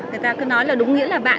người ta cứ nói là đúng nghĩa là bạn